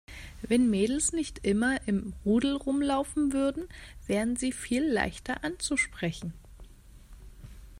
Wenn Mädels nicht immer im Rudel rumlaufen würden, wären sie viel leichter anzusprechen.